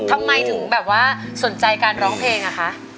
ทำไมถึงแบบว่าสนใจการร้องเพลงอะคะ